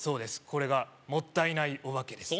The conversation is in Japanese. これがもったいないおばけです